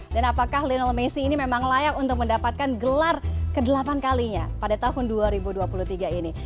apakah linel messi ini memang layak untuk mendapatkan gelar ke delapan kalinya pada tahun dua ribu dua puluh tiga ini